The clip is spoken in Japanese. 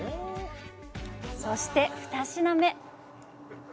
そして、２品目。